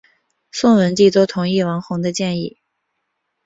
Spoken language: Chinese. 宋文帝都同意王弘的建议。